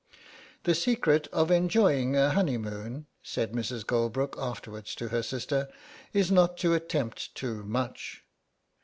"The secret of enjoying a honeymoon," said Mrs. Goldbrook afterwards to her sister, "is not to attempt too much."